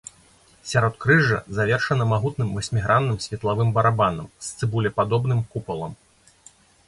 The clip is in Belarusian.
Сяродкрыжжа завершана магутным васьмігранным светлавым барабанам з цыбулепадобным купалам.